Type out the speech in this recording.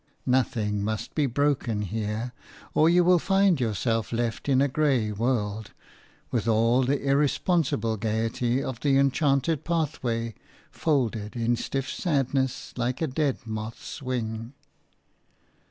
Nothing must be broken here, or you find yourself left in a grey world, with all the irresponsible gaiety of the enchanted pathway folded in stiff sadness like a dead moth's wing.